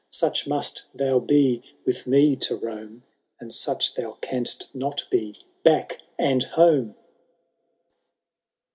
Such must thou be with me to roam, And such thou canst not be— back, and home